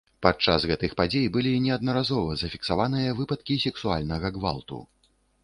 Падчас гэтых падзей былі неаднаразова зафіксаваныя выпадкі сексуальнага гвалту.